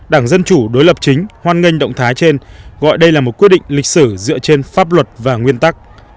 đảng dân chủ đối lập chính hoan nghênh động thái trên gọi đây là một quyết định lịch sử dựa trên pháp luật và nguyên tắc